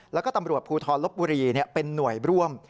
แล้วก็ตำรวจภูทรลบบุรีเป็นหน่วยร่วม